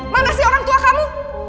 mana sih orang tua kamu